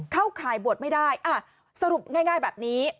เข้าข่ายบวชไม่ได้สรุปง่ายแบบนี้